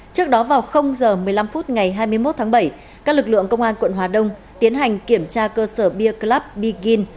trước đó vào h một mươi năm phút ngày hai mươi một tháng bảy các lực lượng công an quận hà đông tiến hành kiểm tra cơ sở beer club begin